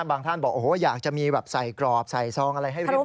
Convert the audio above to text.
บางท่านบอกอยากจะมีใส่กรอบใส่ซองอะไรให้เรียบร้อยเลย